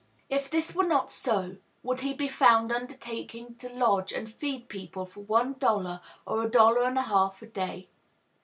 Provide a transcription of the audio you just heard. If this were not so, would he be found undertaking to lodge and feed people for one dollar or a dollar and a half a day?